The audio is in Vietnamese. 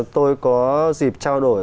tôi có dịp trao đổi